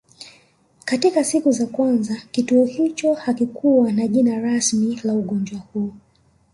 Katika siku za kwanza kituo hicho hakikuwa na jina rasmi la ugonjwa huu